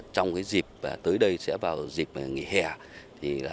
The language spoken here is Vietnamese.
trong dịp tới đây sẽ vào dịp ngày hè